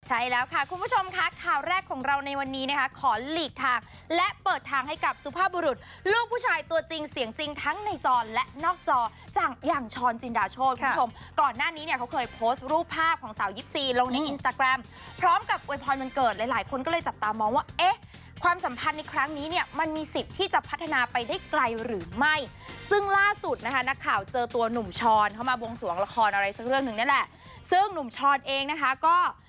ใช่แล้วค่ะคุณผู้ชมค่ะข่าวแรกของเราในวันนี้นะคะขอหลีกทางและเปิดทางให้กับสุภาพบุรุษลูกผู้ชายตัวจริงเสียงจริงทั้งในจอและนอกจอจังอย่างช้อนจินดาโชดค่ะคุณผู้ชมก่อนหน้านี้เนี่ยเขาเคยโพสต์รูปภาพของสาวยิบสี่ลงในอินสตาแกรมพร้อมกับเวรพรมันเกิดหลายหลายคนก็เลยจับตามองว่าเอ๊ะค